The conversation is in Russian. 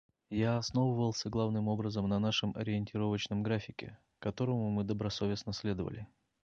Я основывался главным образом на нашем ориентировочном графике, которому мы добросовестно следовали.